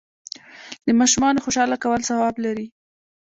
د ماشومانو خوشحاله کول ثواب لري.